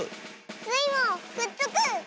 スイもくっつく！